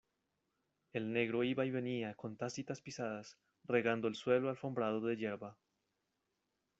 el negro iba y venía con tácitas pisadas, regando el suelo alfombrado de yerba.